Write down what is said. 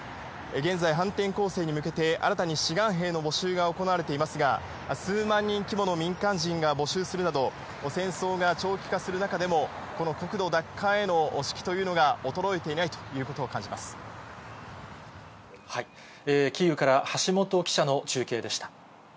現在、反転攻勢に向けて、新たに志願兵の募集が行われていますが、数万人規模の民間人が募集するなど、戦争が長期化する中でも、この国土奪還への士気というのが衰えていないということを感じまキーウから、橋本記者の中継でした。